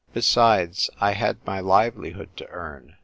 Besides, I had my live lihood to earn.